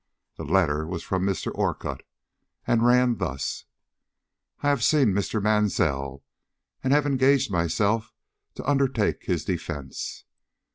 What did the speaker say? The letter was from Mr. Orcutt and ran thus: I have seen Mr. Mansell, and have engaged myself to undertake his defence.